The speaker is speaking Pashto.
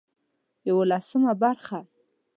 يولسمه برخه